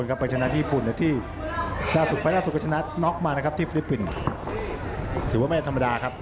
อันดันเตอร์